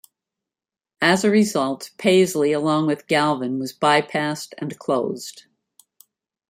As a result, Paisley, along with Galvin, was bypassed and closed.